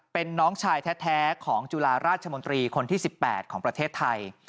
เป็นน้องชายแท้ของจุฬาราชมนตรีคนที่๑๘ของประเทศไทย